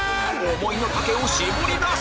思いの丈を絞り出せ！